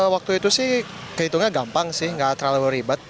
waktu itu sih kehitungannya gampang sih nggak terlalu ribet